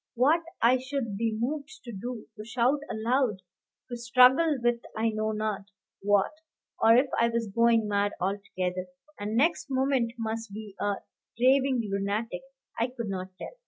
What I should be moved to do, to shout aloud, to struggle with I know not what; or if I was going mad altogether, and next moment must be a raving lunatic, I could not tell.